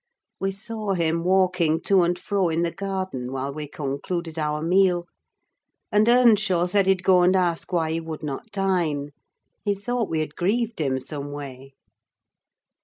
We saw him walking to and fro in the garden while we concluded our meal, and Earnshaw said he'd go and ask why he would not dine: he thought we had grieved him some way.